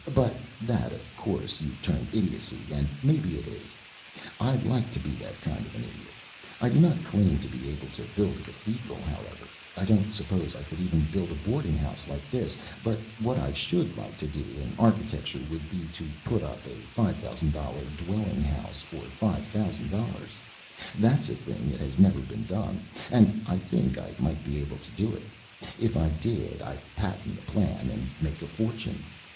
But that, of course, you term idiocy and maybe it is. I like to be that kind of an idiot. I do not claim to be able to build a cathedral, however. I don't suppose I could even build a boarding house like this, but what I should like to do in architecture would be to put up a $5000 dwelling house for $5000. That's a thing that has never been done, and I think I might be able to do it. If I did, I'd patent the plan and make a fortune.